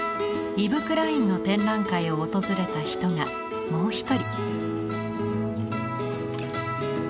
イヴ・クラインの展覧会を訪れた人がもう一人。